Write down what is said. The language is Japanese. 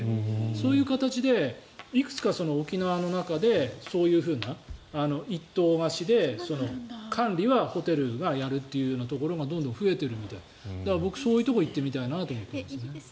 そういう形でいくつか沖縄の中でそういうふうな一棟貸しで管理はホテルがやるというところがどんどん増えているので僕、そういうところに行ってみたいなと思ってます。